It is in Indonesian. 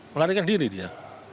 melarikan diri dia